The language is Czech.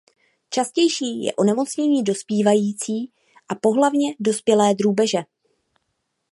Častější je onemocnění dospívající a pohlavně dospělé drůbeže.